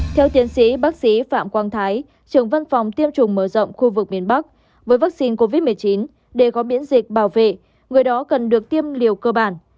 theo tiến sĩ bác sĩ phạm quang thái trưởng văn phòng tiêm chủng mở rộng khu vực miền bắc với vaccine covid một mươi chín để có miễn dịch bảo vệ người đó cần được tiêm liều cơ bản